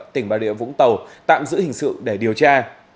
tỉnh bà rịa vũng tàu tạm giữ hình sự để điều tra